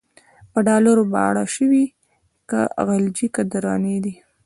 په ډالرو باړه شوی، که غلجی که درانی دی